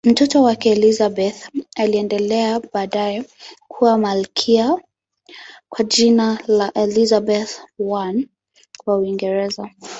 Mtoto wake Elizabeth aliendelea baadaye kuwa malkia kwa jina la Elizabeth I wa Uingereza.